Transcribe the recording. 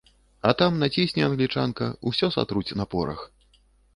А там націсне англічанка, усё сатруць на порах.